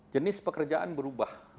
jenis pekerjaan berubah